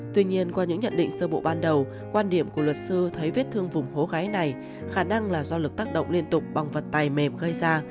tuy nhiên qua những nhận định sơ bộ ban đầu quan điểm của luật sư thấy vết thương vùng hố gáy này khả năng là do lực tác động liên tục bằng vật tài mềm gây ra